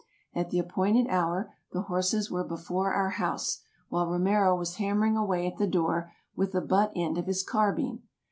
At the appointed hour the horses were before our house, while Romero was hammering away at the door, with the butt end of his carbine.